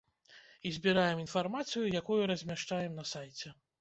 І збіраем інфармацыю, якую размяшчаем на сайце.